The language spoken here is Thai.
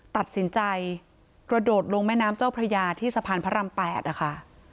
ตัดสินใจกระโดดลงแม่น้ำเจ้าพระยาที่สะพานพระราม๘นะคะ